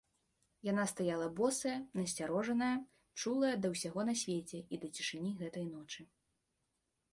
Яна стаяла босая, насцярожаная, чулая да ўсяго на свеце і да цішыні гэтай ночы.